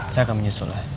saya akan menyusul ya